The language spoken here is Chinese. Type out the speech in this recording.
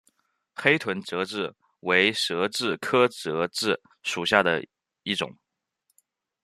黑臀泽蛭为舌蛭科泽蛭属下的一个种。